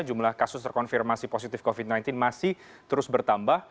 jumlah kasus terkonfirmasi positif covid sembilan belas masih terus bertambah